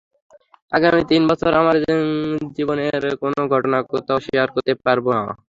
আগামী তিন বছর আমার জীবনের কোনো ঘটনা কোথাও শেয়ার করতে পারব না।